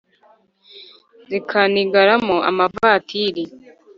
Zikanigiramo amavatiri